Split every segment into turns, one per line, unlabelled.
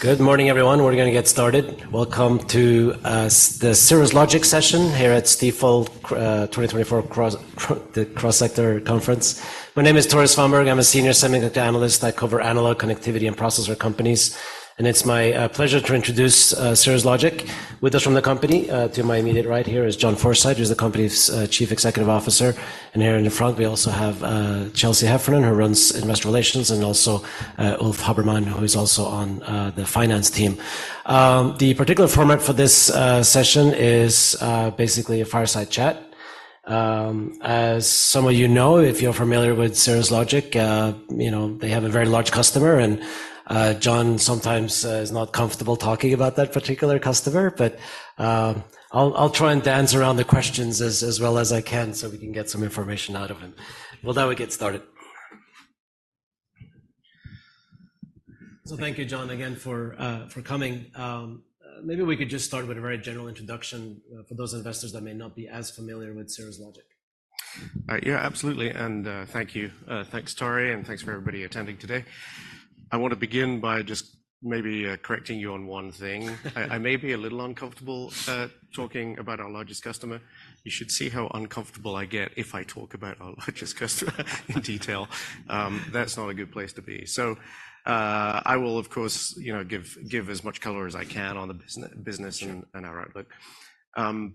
Good morning, everyone. We're gonna get started. Welcome to the Cirrus Logic session here at Stifel 2024 Cross-Sector Conference. My name is Tore Svanberg. I'm a senior semiconductor analyst. I cover analog connectivity and processor companies, and it's my pleasure to introduce Cirrus Logic. With us from the company to my immediate right here is John Forsyth, who's the company's Chief Executive Officer. And here in the front, we also have Chelsea Heffernan, who runs Investor Relations, and also Ulf Habermann, who is also on the finance team. The particular format for this session is basically a fireside chat. As some of you know, if you're familiar with Cirrus Logic, you know, they have a very large customer, and, John sometimes, is not comfortable talking about that particular customer. But, I'll, I'll try and dance around the questions as, as well as I can so we can get some information out of him. Well, then we get started. So thank you, John, again, for, for coming. Maybe we could just start with a very general introduction, for those investors that may not be as familiar with Cirrus Logic.
Yeah, absolutely, and thank you. Thanks, Tore, and thanks for everybody attending today. I want to begin by just maybe correcting you on one thing. I may be a little uncomfortable talking about our largest customer. You should see how uncomfortable I get if I talk about our largest customer in detail. That's not a good place to be. So, I will, of course, you know, give as much color as I can on the business and our outlook.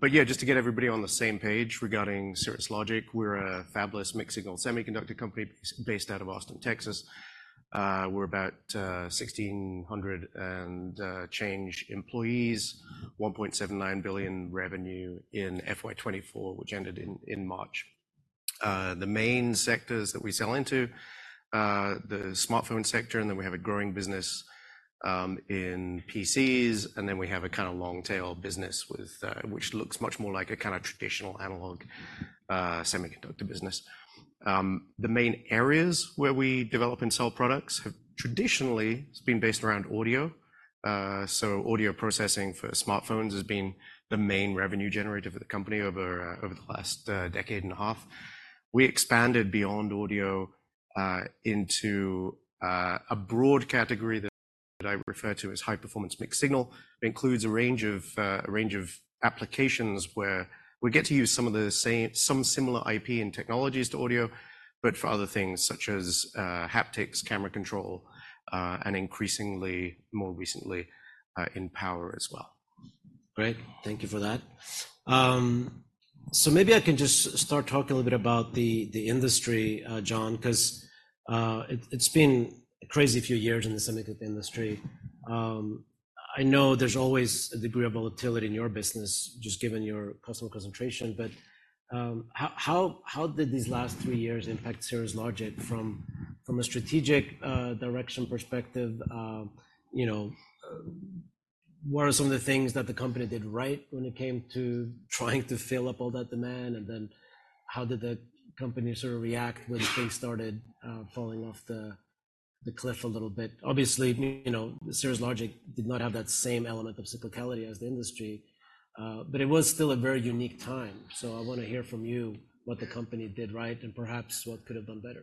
But yeah, just to get everybody on the same page regarding Cirrus Logic, we're a fabless mixed-signal semiconductor company based out of Austin, Texas. We're about 1,600 and change employees, $1.79 billion revenue in FY 2024, which ended in March. The main sectors that we sell into, the smartphone sector, and then we have a growing business in PCs, and then we have a kinda long-tail business with which looks much more like a kinda traditional analog semiconductor business. The main areas where we develop and sell products have traditionally been based around audio. So audio processing for smartphones has been the main revenue generator for the company over the last decade and a half. We expanded beyond audio into a broad category that I refer to as high-performance mixed-signal. It includes a range of applications where we get to use some of the same, some similar IP and technologies to audio, but for other things such as haptics, camera control, and increasingly, more recently, in power as well.
Great. Thank you for that. So maybe I can just start talking a little bit about the industry, John, 'cause it's been a crazy few years in the semiconductor industry. I know there's always a degree of volatility in your business, just given your customer concentration, but how did these last three years impact Cirrus Logic from a strategic direction perspective? You know, what are some of the things that the company did right when it came to trying to fill up all that demand, and then how did the company sort of react when things started falling off the cliff a little bit? Obviously, you know, Cirrus Logic did not have that same element of cyclicality as the industry, but it was still a very unique time. I wanna hear from you what the company did right and perhaps what could have done better.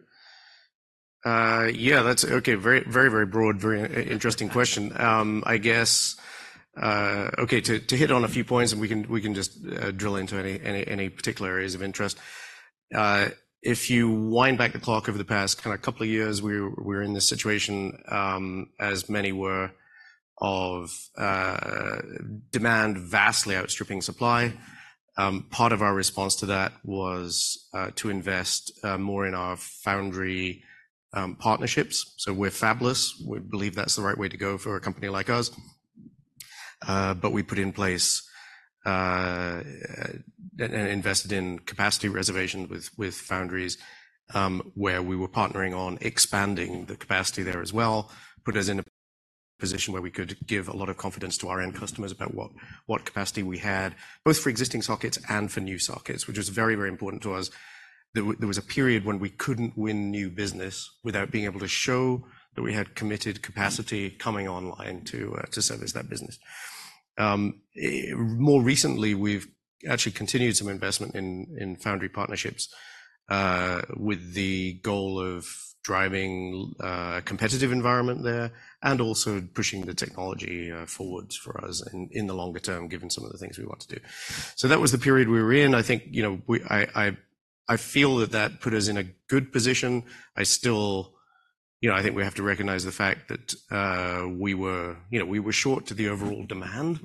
Yeah, that's... Okay, very, very, very broad, very interesting question. I guess, okay, to hit on a few points, and we can just drill into any particular areas of interest. If you wind back the clock over the past kinda couple of years, we were in this situation, as many were, of demand vastly outstripping supply. Part of our response to that was to invest more in our foundry partnerships. So we're fabless. We believe that's the right way to go for a company like us. But we put in place and invested in capacity reservation with foundries, where we were partnering on expanding the capacity there as well. Put us in a position where we could give a lot of confidence to our end customers about what capacity we had, both for existing sockets and for new sockets, which was very, very important to us. There was a period when we couldn't win new business without being able to show that we had committed capacity coming online to service that business. More recently, we've actually continued some investment in foundry partnerships with the goal of driving competitive environment there and also pushing the technology forward for us in the longer term, given some of the things we want to do. So that was the period we were in. I think, you know, we... I feel that that put us in a good position. You know, I think we have to recognize the fact that we were, you know, we were short to the overall demand.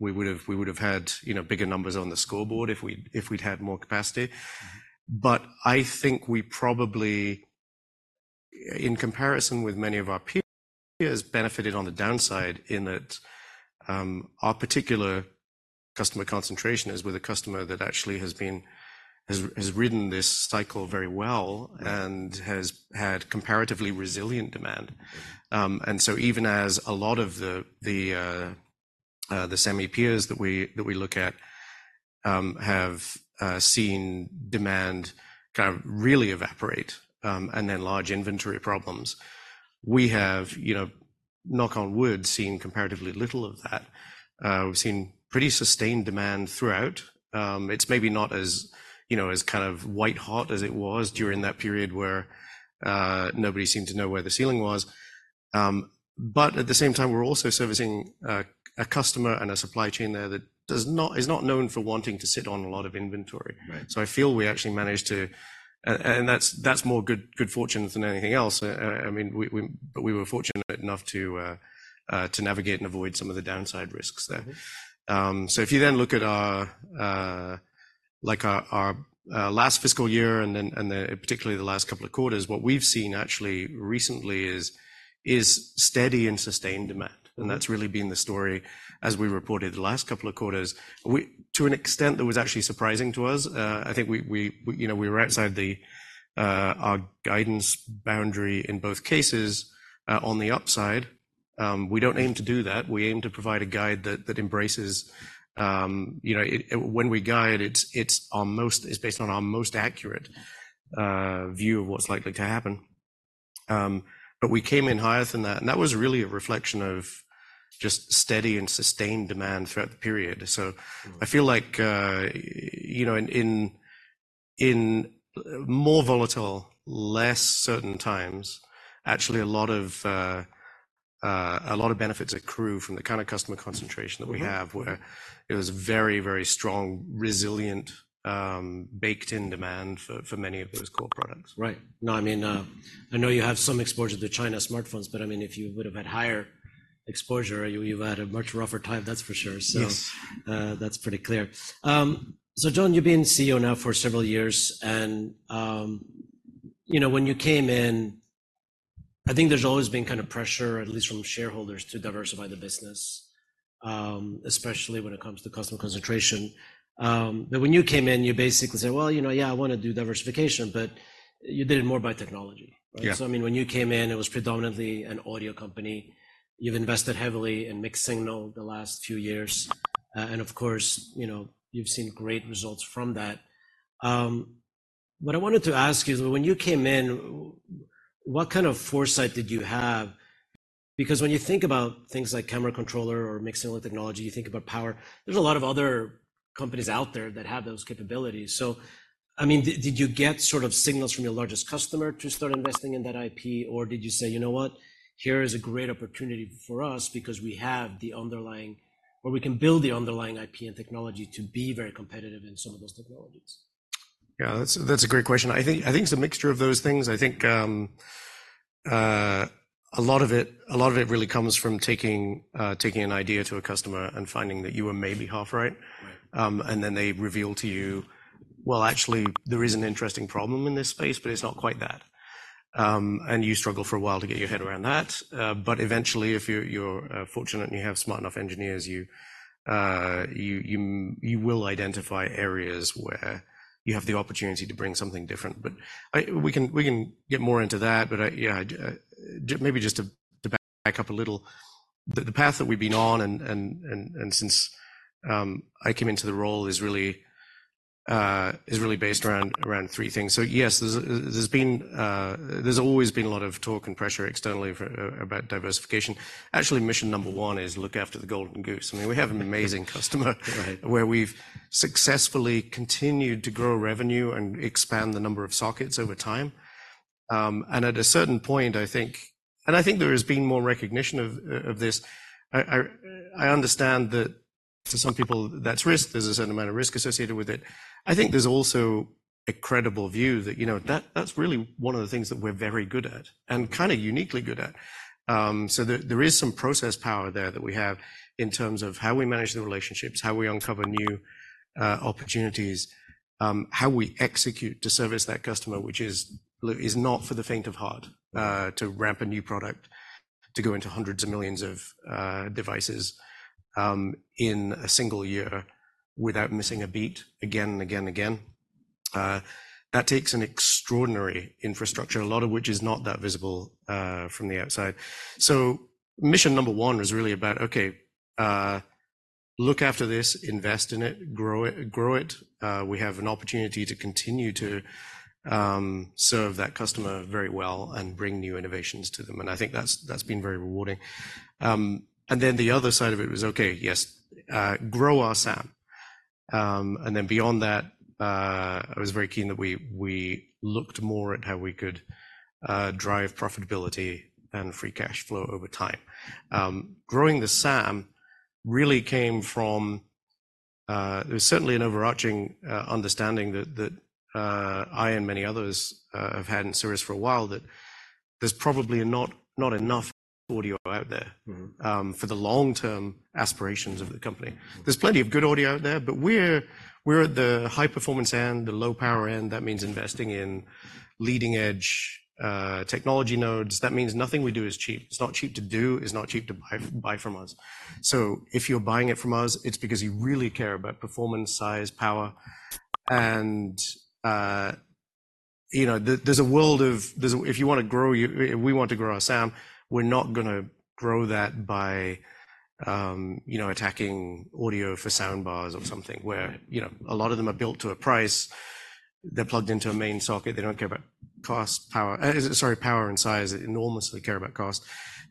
We would've had, you know, bigger numbers on the scoreboard if we'd had more capacity. But I think we probably, in comparison with many of our peers, benefited on the downside in that, our particular customer concentration is with a customer that actually has been, has ridden this cycle very well and has had comparatively resilient demand. So even as a lot of the semi peers that we look at have seen demand kind of really evaporate, and then large inventory problems, we have, you know, knock on wood, seen comparatively little of that. We've seen pretty sustained demand throughout. It's maybe not as, you know, as kind of white-hot as it was during that period where nobody seemed to know where the ceiling was. But at the same time, we're also servicing a customer and a supply chain there that is not known for wanting to sit on a lot of inventory.
Right.
So I feel we actually managed to, and that's more good fortune than anything else. I mean, but we were fortunate enough to navigate and avoid some of the downside risks there. So if you then look at our, like, our last fiscal year, and then particularly the last couple of quarters, what we've seen actually recently is steady and sustained demand and that's really been the story as we reported the last couple of quarters. To an extent, that was actually surprising to us. I think you know, we were outside our guidance boundary in both cases, on the upside. We don't aim to do that. We aim to provide a guide that embraces you know... When we guide, it's based on our most accurate view of what's likely to happen. But we came in higher than that, and that was really a reflection of just steady and sustained demand throughout the period. So I feel like, you know, in more volatile, less certain times, actually a lot of benefits accrue from the kind of customer concentration that we have where it was very, very strong, resilient, baked-in demand for many of those core products.
Right. No, I mean, I know you have some exposure to China smartphones, but I mean, if you would have had higher exposure, you, you'd have had a much rougher time, that's for sure.
Yes.
So, that's pretty clear. So John, you've been CEO now for several years, and, you know, when you came in, I think there's always been kind of pressure, at least from shareholders, to diversify the business, especially when it comes to customer concentration. But when you came in, you basically said: "Well, you know, yeah, I wanna do diversification," but you did it more by technology, right?
Yeah.
So I mean, when you came in, it was predominantly an audio company. You've invested heavily in mixed-signal the last few years, and of course, you know, you've seen great results from that. What I wanted to ask you is, when you came in, what kind of foresight did you have? Because when you think about things like Camera Controller or mixed-signal technology, you think about power. There's a lot of other companies out there that have those capabilities. So, I mean, did you get sort of signals from your largest customer to start investing in that IP, or did you say, "You know what? Here is a great opportunity for us because we have the underlying, or we can build the underlying IP and technology to be very competitive in some of those technologies?"
Yeah, that's, that's a great question. I think, I think it's a mixture of those things. I think, a lot of it, a lot of it really comes from taking, taking an idea to a customer and finding that you were maybe half right.
Right.
Then they reveal to you: "Well, actually, there is an interesting problem in this space, but it's not quite that," and you struggle for a while to get your head around that. But eventually, if you're fortunate and you have smart enough engineers, you will identify areas where you have the opportunity to bring something different. We can get more into that, but I yeah, I maybe just to back up a little, the path that we've been on and since I came into the role is really based around three things. So yes, there's been, there's always been a lot of talk and pressure externally for about diversification. Actually, mission number one is look after the golden goose. I mean, we have an amazing customer where we've successfully continued to grow revenue and expand the number of sockets over time. At a certain point, I think. I think there has been more recognition of this. I understand that to some people, that's risk. There's a certain amount of risk associated with it. I think there's also a credible view that, you know, that's really one of the things that we're very good at, and kinda uniquely good at. So there is some process power there that we have in terms of how we manage the relationships, how we uncover new opportunities, how we execute to service that customer, which is not for the faint of heart, to ramp a new product, to go into hundreds of millions of devices, in a single year without missing a beat again and again and again. That takes an extraordinary infrastructure, a lot of which is not that visible from the outside. So mission number one was really about, okay, look after this, invest in it, grow it, grow it. We have an opportunity to continue to serve that customer very well and bring new innovations to them, and I think that's been very rewarding. Then the other side of it was, okay, yes, grow our SAM. Then beyond that, I was very keen that we looked more at how we could drive profitability and free cash flow over time. Growing the SAM really came from, it was certainly an overarching understanding that I and many others have had in Cirrus for a while, that there's probably not enough audio out there for the long-term aspirations of the company. There's plenty of good audio out there, but we're, we're at the high-performance end, the low-power end. That means investing in leading-edge technology nodes. That means nothing we do is cheap. It's not cheap to do, it's not cheap to buy, buy from us. So if you're buying it from us, it's because you really care about performance, size, power, and, you know, if you wanna grow your—if we want to grow our SAM, we're not gonna grow that by, you know, attacking audio for sound bars or something where, you know, a lot of them are built to a price. They're plugged into a main socket. They don't care about cost, power, sorry, power and size, enormously care about cost.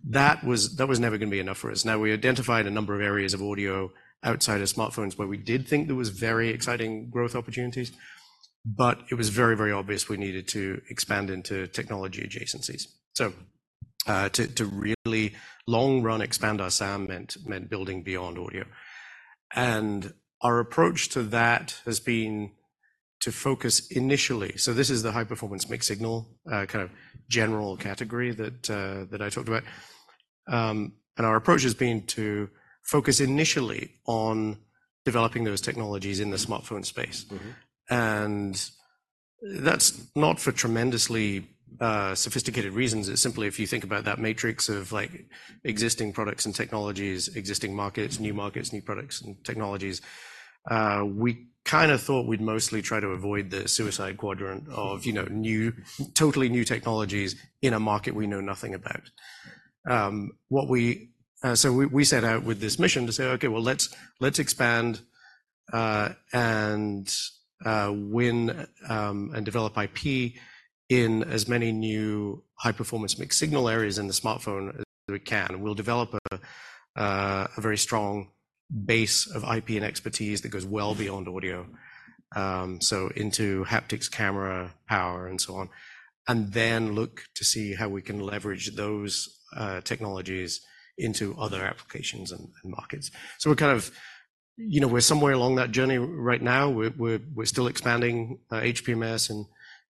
That was never gonna be enough for us. Now, we identified a number of areas of audio outside of smartphones where we did think there was very exciting growth opportunities, but it was very, very obvious we needed to expand into technology adjacencies. So, to really long run expand our TAM meant building beyond audio. Our approach to that has been to focus initially. So this is the high-performance mixed-signal kind of general category that I talked about and our approach has been to focus initially on developing those technologies in the smartphone space. That's not for tremendously sophisticated reasons. It's simply if you think about that matrix of, like, existing products and technologies, existing markets, new markets, new products and technologies, we kind of thought we'd mostly try to avoid the suicide quadrant of, you know, totally new technologies in a market we know nothing about. So we set out with this mission to say, "Okay, well, let's expand and win and develop IP in as many new high-performance mixed-signal areas in the smartphone as we can, and we'll develop a very strong base of IP and expertise that goes well beyond audio, so into haptics, camera, power, and so on, and then look to see how we can leverage those technologies into other applications and markets." So we're kind of, you know, we're somewhere along that journey right now. We're still expanding HPMS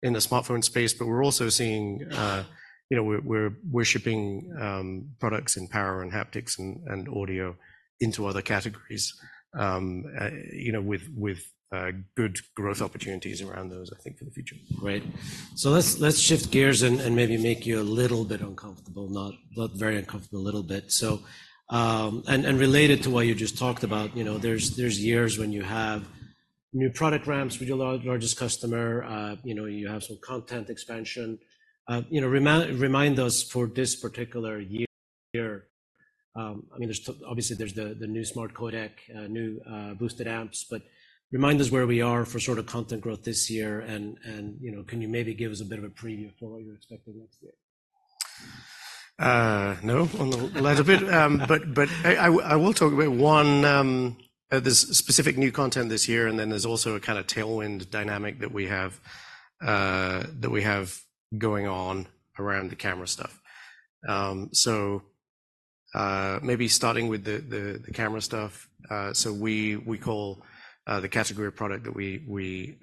in the smartphone space, but we're also seeing, you know, we're shipping products in power and haptics and audio into other categories, you know, with good growth opportunities around those, I think, for the future.
Great. So let's shift gears and maybe make you a little bit uncomfortable, not very uncomfortable, a little bit. So, and related to what you just talked about, you know, there's years when you have new product ramps with your largest customer, you know, you have some content expansion. You know, remind us for this particular year, I mean, there's still, obviously, there's the new smart codec, new boosted amps, but remind us where we are for sort of content growth this year, and, you know, can you maybe give us a bit of a preview for what you're expecting next year?
No, on the latter bit, but I will talk about one. There's specific new content this year, and then there's also a kind of tailwind dynamic that we have going on around the camera stuff. So, maybe starting with the camera stuff, we call the category of product that we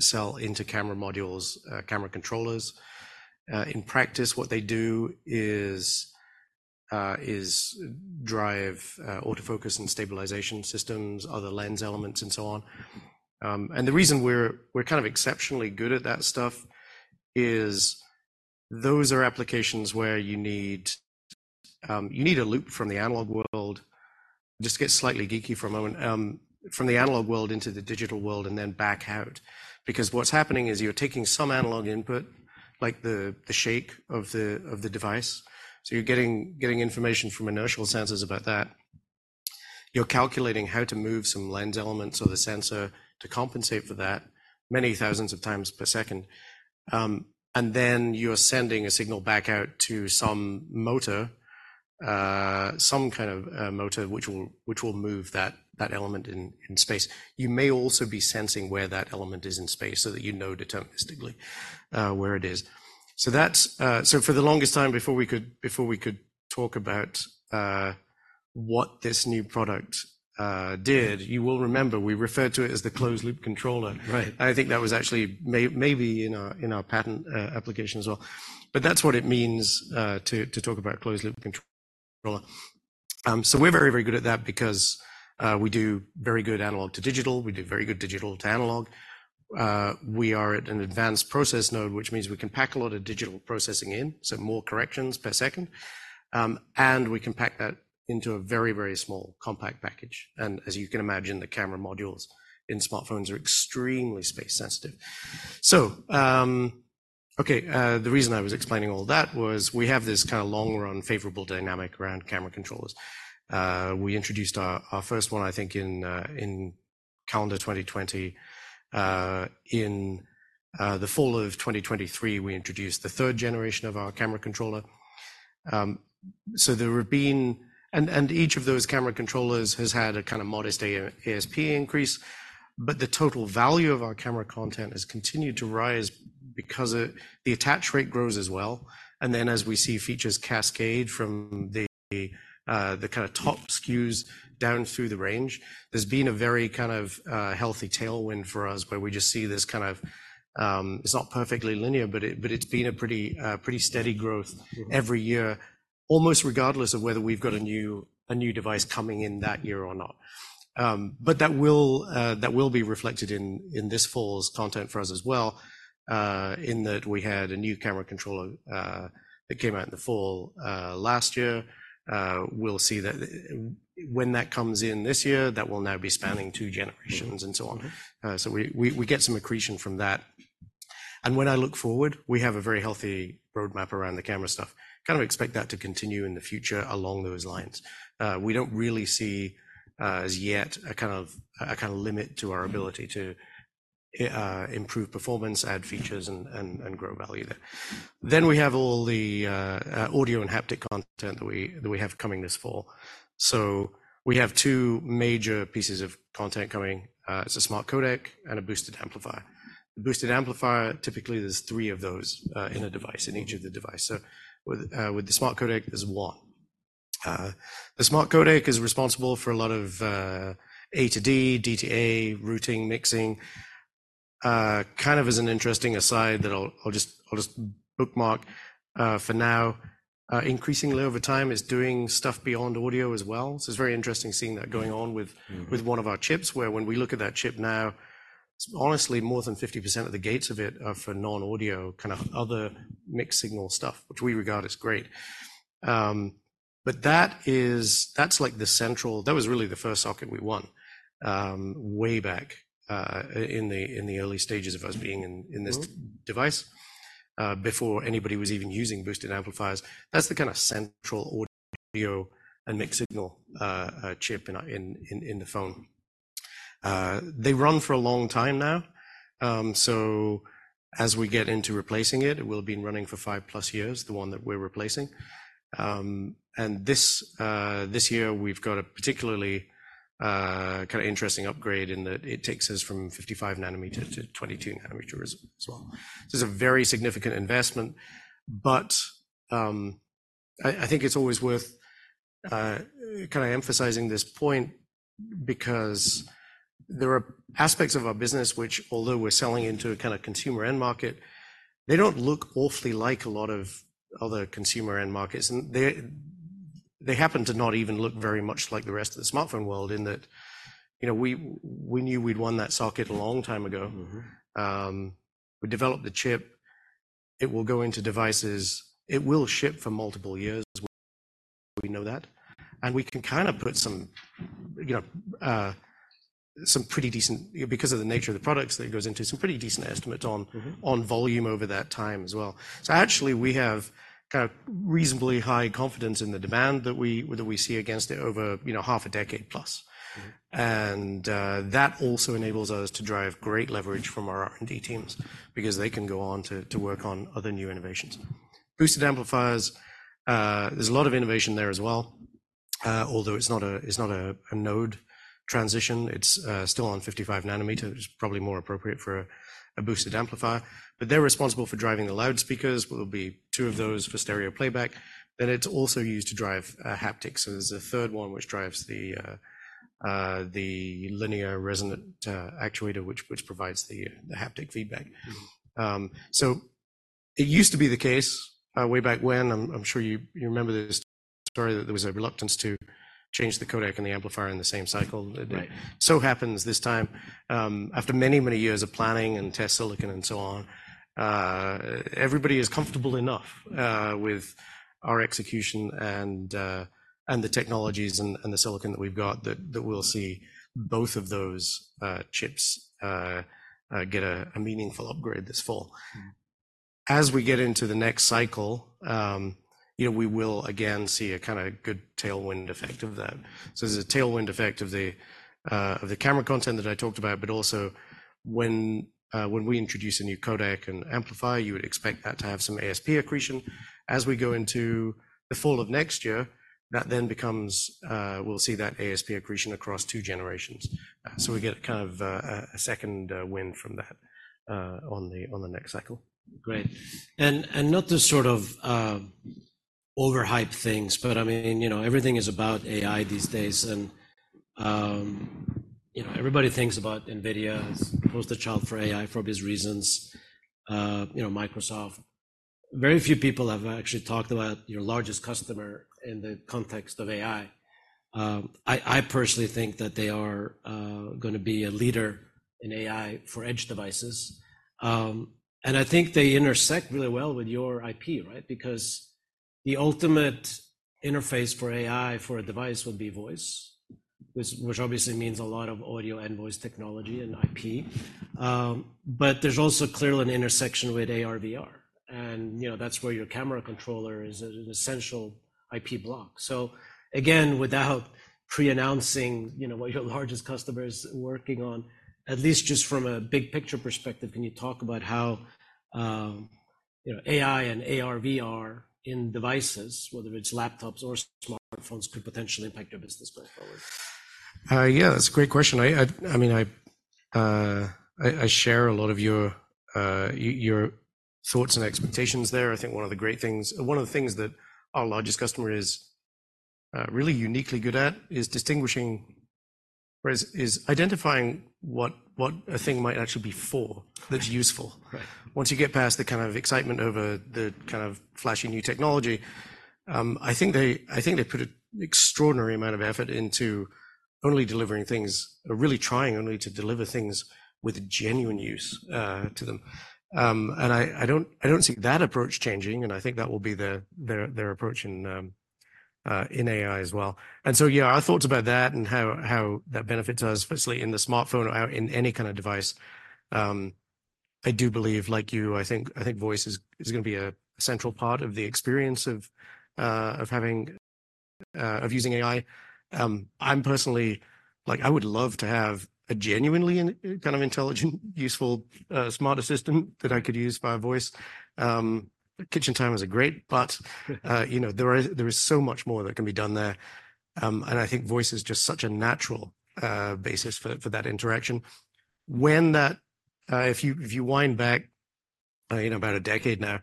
sell into camera modules camera controllers. In practice, what they do is drive autofocus and stabilization systems, other lens elements, and so on. The reason we're kind of exceptionally good at that stuff is those are applications where you need a loop from the analog world (just to get slightly geeky for a moment) from the analog world into the digital world and then back out because what's happening is you're taking some analog input, like the shake of the device, so you're getting information from inertial sensors about that. You're calculating how to move some lens elements or the sensor to compensate for that many thousands of times per second, and then you're sending a signal back out to some motor, some kind of motor, which will move that element in space. You may also be sensing where that element is in space so that you know deterministically where it is. So for the longest time before we could talk about what this new product did, you will remember we referred to it as the closed-loop controller.
Right.
I think that was actually maybe in our patent application as well. But that's what it means to talk about a closed-loop controller. So we're very, very good at that because we do very good analog to digital, we do very good digital to analog. We are at an advanced process node, which means we can pack a lot of digital processing in, so more corrections per second, and we can pack that into a very, very small, compact package. As you can imagine, the camera modules in smartphones are extremely space sensitive. So, okay, the reason I was explaining all that was, we have this kind of long-run, favorable dynamic around camera controllers. We introduced our first one, I think, in calendar 2020. In the fall of 2023, we introduced the third generation of our camera controller. So there have been, and each of those camera controllers has had a kind of modest AI-ASP increase, but the total value of our camera content has continued to rise because the attach rate grows as well. Then, as we see features cascade from the kind of top SKUs down through the range, there's been a very kind of healthy tailwind for us, where we just see this kind of. It's not perfectly linear, but it's been a pretty steady growth every year, almost regardless of whether we've got a new device coming in that year or not. But that will be reflected in this fall's content for us as well, in that we had a new Camera Controller that came out in the fall last year. We'll see that when that comes in this year, that will now be spanning two generations, and so on. So we get some accretion from that. When I look forward, we have a very healthy roadmap around the camera stuff. Kind of expect that to continue in the future along those lines. We don't really see, as yet, a kind of limit to our ability to improve performance, add features, and grow value there. Then we have all the audio and haptic content that we have coming this fall. So we have two major pieces of content coming. It's a smart codec and a boosted amplifier. The boosted amplifier, typically, there's three of those in a device, in each of the devices. So with the smart codec, there's one. The smart codec is responsible for a lot of A to D, D to A, routing, mixing. Kind of as an interesting aside that I'll just bookmark for now, increasingly over time, it's doing stuff beyond audio as well. So it's very interesting seeing that going on with one of our chips, where when we look at that chip now, honestly, more than 50% of the gates of it are for non-audio, kind of other mixed-signal stuff, which we regard as great. But that is—that's like the central. That was really the first socket we won, way back, in the early stages of us being in this device, before anybody was even using boosted amplifiers. That's the kind of central audio and mixed-signal chip in our phone. They've run for a long time now. So as we get into replacing it, it will have been running for 5+ years, the one that we're replacing. This year, we've got a particularly kind of interesting upgrade in that it takes us from 55-nanometer to 22-nanometer as well. So it's a very significant investment, but I think it's always worth kind of emphasizing this point because there are aspects of our business which, although we're selling into a kind of consumer end market, they don't look awfully like a lot of other consumer end markets. They happen to not even look very much like the rest of the smartphone world in that, you know, we knew we'd won that socket a long time ago. We developed the chip. It will go into devices. It will ship for multiple years. We know that and we can kinda put some, you know, some pretty decent... Because of the nature of the products that it goes into, some pretty decent estimates on volume over that time as well. So actually, we have kind of reasonably high confidence in the demand that we see against it over, you know, half a decade plus. That also enables us to drive great leverage from our R&D teams because they can go on to work on other new innovations. Boosted amplifiers, there's a lot of innovation there as well, although it's not a node transition. It's still on 55-nanometer, which is probably more appropriate for a boosted amplifier. But they're responsible for driving the loudspeakers. There'll be two of those for stereo playback, then it's also used to drive haptics. So there's a third one, which drives the linear resonant actuator, which provides the haptic feedback. So it used to be the case, way back when, I'm sure you remember this story, that there was a reluctance to change the codec and the amplifier in the same cycle. It so happens this time, after many, many years of planning and test silicon and so on, everybody is comfortable enough, with our execution and, and the technologies and, and the silicon that we've got, that, that we'll see both of those, chips, get a, a meaningful upgrade this fall. As we get into the next cycle, you know, we will again see a kind of good tailwind effect of that. So there's a tailwind effect of the camera content that I talked about, but also when we introduce a new codec and amplifier, you would expect that to have some ASP accretion. As we go into the fall of next year, that then becomes, we'll see that ASP accretion across two generations. So we get kind of a second wind from that on the next cycle.
Great. Not to sort of overhype things, but, I mean, you know, everything is about AI these days, and, you know, everybody thinks about NVIDIA as the poster child for AI, for obvious reasons, you know, Microsoft. Very few people have actually talked about your largest customer in the context of AI. I personally think that they are gonna be a leader in AI for edge devices. I think they intersect really well with your IP, right? Because the ultimate interface for AI for a device would be voice, which obviously means a lot of audio and voice technology and IP. But there's also clearly an intersection with AR/VR, and, you know, that's where your camera controller is an essential IP block. So again, without pre-announcing, you know, what your largest customer is working on, at least just from a big picture perspective, can you talk about how, you know, AI and AR/VR in devices, whether it's laptops or smartphones, could potentially impact your business going forward?
Yeah, that's a great question. I mean, I share a lot of your thoughts and expectations there. I think one of the great things - One of the things that our largest customer is really uniquely good at is distinguishing, whereas, is identifying what a thing might actually be for, that's useful.
Right.
Once you get past the kind of excitement over the kind of flashy new technology, I think they, I think they put an extraordinary amount of effort into only delivering things, or really trying only to deliver things with genuine use, to them. I don't, I don't see that approach changing, and I think that will be their, their, their approach in, in AI as well. So, yeah, our thoughts about that and how, how that benefits us, firstly in the smartphone or out in any kind of device, I do believe, like you, I think, I think voice is, is gonna be a central part of the experience of, of having, of using AI. I'm personally—like, I would love to have a genuinely kind of intelligent, useful, smart assistant that I could use via voice. Kitchen time is a great, you know, there is, there is so much more that can be done there and I think voice is just such a natural basis for that interaction. If you wind back, you know, about a decade now,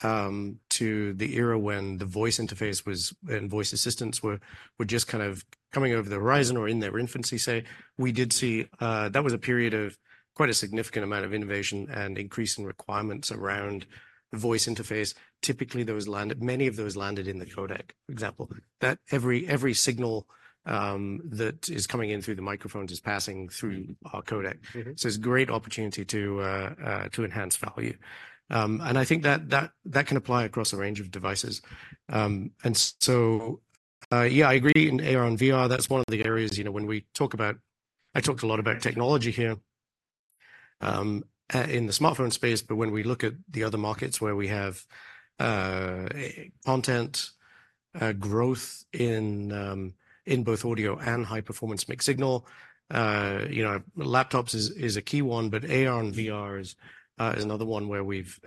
to the era when the voice interface was, and voice assistants were, were just kind of coming over the horizon or in their infancy, say, we did see that was a period of quite a significant amount of innovation and increase in requirements around the voice interface. Typically, those landed, many of those landed in the codec. For example, that every signal that is coming in through the microphones is passing through our codec. So it's a great opportunity to enhance value. I think that can apply across a range of devices. So, yeah, I agree, in AR and VR, that's one of the areas, you know, when we talk about... I talked a lot about technology here, in the smartphone space, but when we look at the other markets where we have content growth in both audio and high-performance mixed-signal, you know, laptops is a key one, but AR and VR is another one where we've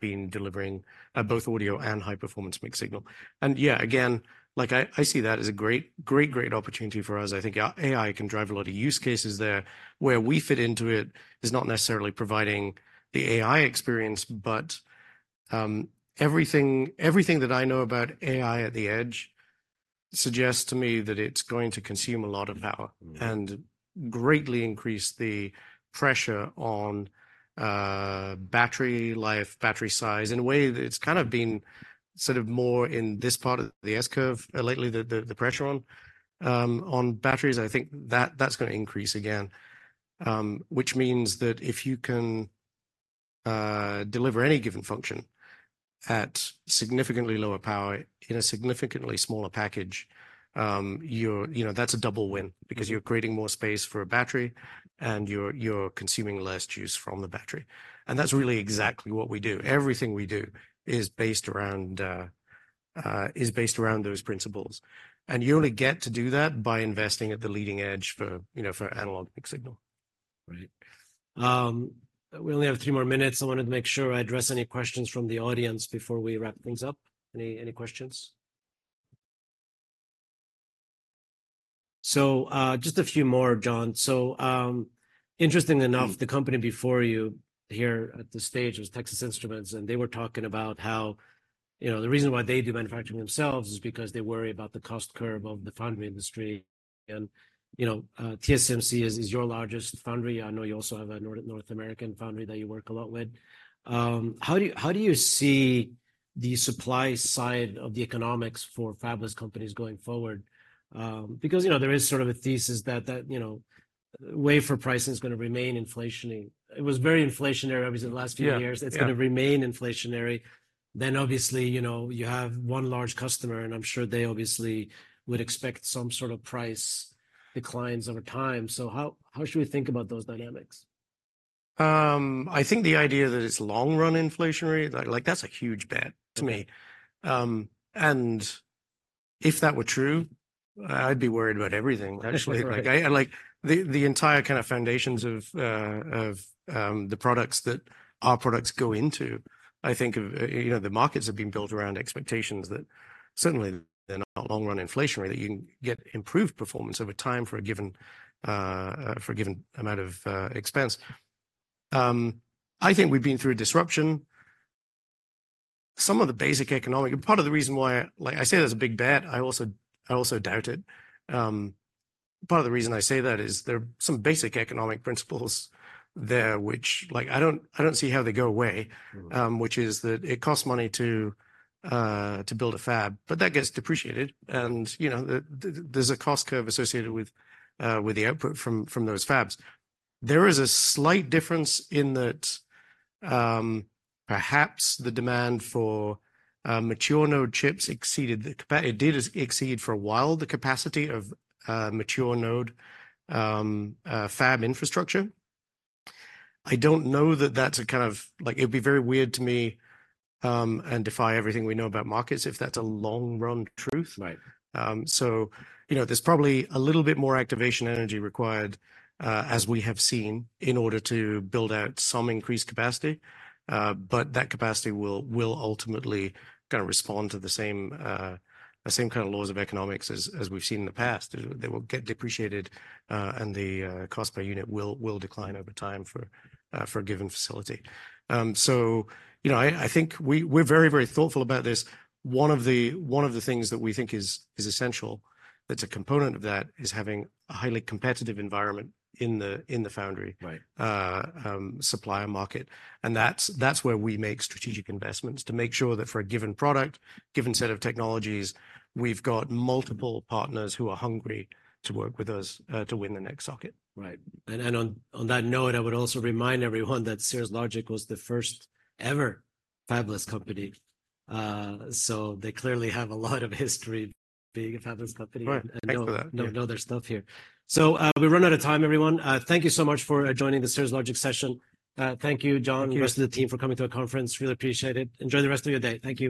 been delivering both audio and high-performance mixed-signal. Yeah, again, like I see that as a great, great, great opportunity for us. I think our AI can drive a lot of use cases there. Where we fit into it is not necessarily providing the AI experience, but, everything, everything that I know about AI at the edge suggests to me that it's going to consume a lot of power and greatly increase the pressure on battery life, battery size. In a way, it's kind of been sort of more in this part of the S-curve lately, the pressure on batteries. I think that that's gonna increase again, which means that if you can deliver any given function at significantly lower power in a significantly smaller package, you know, that's a double win because you're creating more space for a battery, and you're consuming less juice from the battery, and that's really exactly what we do. Everything we do is based around those principles, and you only get to do that by investing at the leading edge, you know, for analog mixed signal.
Right. We only have three more minutes. I wanted to make sure I address any questions from the audience before we wrap things up. Any questions? So, just a few more, John. So, interestingly enough the company before you here at the stage was Texas Instruments, and they were talking about how, you know, the reason why they do manufacturing themselves is because they worry about the cost curve of the foundry industry. You know, TSMC is your largest foundry. I know you also have a North American foundry that you work a lot with. How do you see the supply side of the economics for fabless companies going forward? Because, you know, there is sort of a thesis that, you know, wafer pricing is gonna remain inflationary. It was very inflationary, obviously, the last few years.
Yeah. Yeah.
It's gonna remain inflationary. Then, obviously, you know, you have one large customer, and I'm sure they obviously would expect some sort of price declines over time. So how, how should we think about those dynamics?
I think the idea that it's long-run inflationary, like, that's a huge bet to me and if that were true, I'd be worried about everything, actually.
Right.
Like, the entire kind of foundations of the products that our products go into, I think, you know, the markets have been built around expectations that certainly they're not long-run inflationary, that you can get improved performance over time for a given amount of expense. I think we've been through a disruption. Part of the reason why, like I say, that's a big bet, I also doubt it. Part of the reason I say that is there are some basic economic principles there, which, like, I don't see how they go away which is that it costs money to build a fab, but that gets depreciated, and, you know, there's a cost curve associated with the output from those fabs. There is a slight difference in that, perhaps the demand for mature node chips exceeded. It did exceed for a while the capacity of mature node fab infrastructure. I don't know that that's a kind of— Like, it'd be very weird to me, and defy everything we know about markets, if that's a long-run truth. So, you know, there's probably a little bit more activation energy required, as we have seen, in order to build out some increased capacity, but that capacity will ultimately gonna respond to the same, the same kind of laws of economics as we've seen in the past. They will get depreciated, and the cost per unit will decline over time for a given facility. So, you know, I think we're very thoughtful about this. One of the things that we think is essential, that's a component of that, is having a highly competitive environment in the foundry supplier market, and that's where we make strategic investments, to make sure that for a given product, given set of technologies, we've got multiple partners who are hungry to work with us, to win the next socket.
Right. On that note, I would also remind everyone that Cirrus Logic was the first-ever fabless company. So they clearly have a lot of history being a fabless company-
Right. Thanks for that....
and know their stuff here. So, we've run out of time, everyone. Thank you so much for joining the Cirrus Logic session. Thank you, John-
Thank you...
and the rest of the team for coming to our conference. Really appreciate it. Enjoy the rest of your day. Thank you.